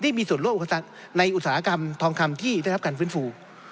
มีส่วนร่วมในอุตสาหกรรมทองคำที่ได้รับการฟื้นฟู